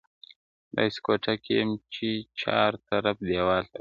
داسي کوټه کي یم چي چارطرف دېوال ته ګورم